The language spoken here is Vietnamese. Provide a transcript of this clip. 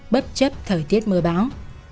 bất chấp thời tiết mưa bão